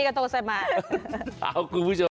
ขอบคุณมาก